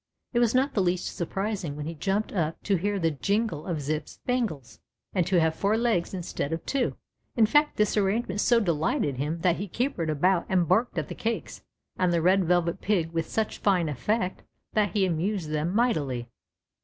It was not the least surprising when he jumped up to hear the jingle of Zip's bangles and to have four legs instead of two. In fact this arrangement so delighted him that he capered about and barked at the cakes and the Ked Velvet Pig with such fine effect that he amused them mightily.